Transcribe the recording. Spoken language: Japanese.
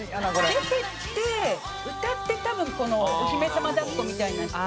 出ていって歌って多分このお姫様抱っこみたいなのして。